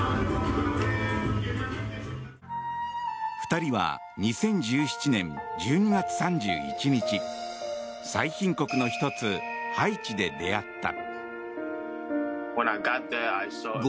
２人は２０１７年１２月３１日最貧国の１つハイチで出会った。